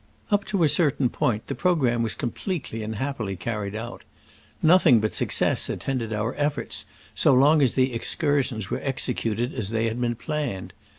Up to a certain point the programme was completely and happily carried out. Nothing but success attended our efiforts so long as the excursions were executed as they had been planned.